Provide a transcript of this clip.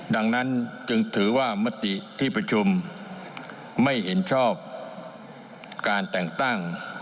ดังนั้นจึงถือว่ามติที่ประชุมไม่เห็นชอบการแต่งตั้ง